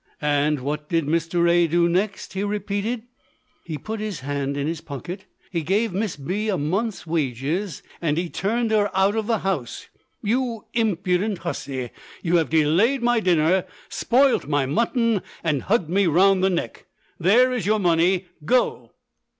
"And what did Mr. A. do next?" he repeated. "He put his hand in his pocket he gave Miss B. a month's wages and he turned her out of the house. You impudent hussy, you have delayed my dinner, spoilt my mutton, and hugged me round the neck! There is your money. Go."